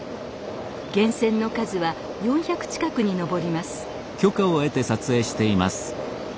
源泉の数は４００近くに上ります。